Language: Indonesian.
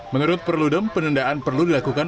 menurut perludem penundaan perlu dilakukan